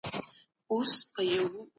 ملي ګټې د ټولو خلګو شریکې دي.